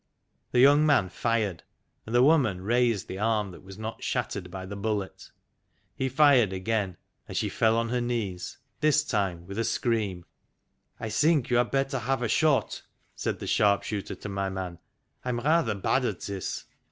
The young man fired, and the woman raised the arm that was not shattered by the bullet. He fired again, and she fell on her knees, this time with a scream. " I think you had better have a shot," said the sharp shooter to my man. " I'm rather bad at this."